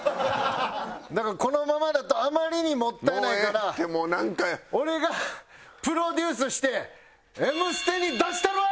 だからこのままだとあまりにもったいないから俺がプロデュースして『Ｍステ』に出したるわい！